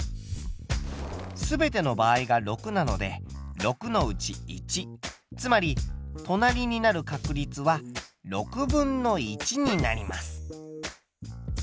すべての場合が６なので６のうち１つまり隣になる確率は６分の１になります。